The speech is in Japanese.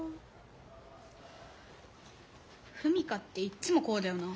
史佳っていっつもこうだよな。